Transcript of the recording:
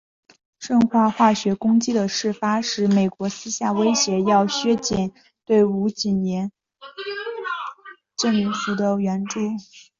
顺化化学攻击的事发使美国私下威胁要削减对吴廷琰政府的援助。